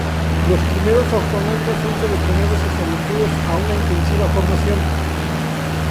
Los primeros astronautas son seleccionados y sometidos a una intensiva formación.